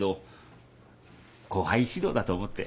後輩指導だと思って。